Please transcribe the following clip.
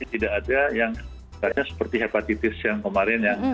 tidak ada yang seperti hepatitis yang kemarin